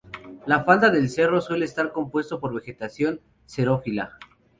La falda del cerro suele estar compuesto por vegetación xerófila.